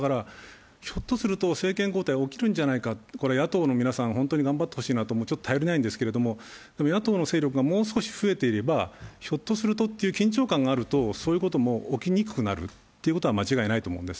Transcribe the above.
ひっとすると、政権交代が起きるんじゃないか、野党の皆さん、本当に頑張ってほしい、ちょっと頼りないんですが、野党の勢力がもう少し増えていれば、ひょっとするという緊張感があれば、そういうことも起きにくくなるということは間違いなと思うんです。